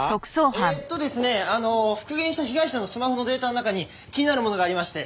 えっとですね復元した被害者のスマホのデータの中に気になるものがありまして。